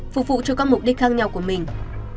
phục vụ cho các mục đích khác nhau của mình